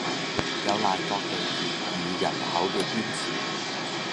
有賴各地粵語人口嘅堅持